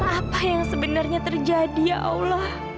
apa yang sebenarnya terjadi ya allah